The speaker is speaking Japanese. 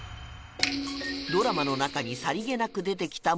ドラマの中にさりげなく出てきた